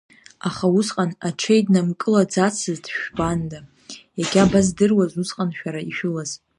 Аха усҟан аҽеиднамкылаӡацызт шәбанда, иагьабаздыруаз усҟан шәара ишәылаз!